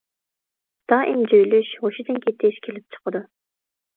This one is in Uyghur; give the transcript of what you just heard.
دائىم جۆيلۈش، ھوشىدىن كېتىش كېلىپ چىقىدۇ.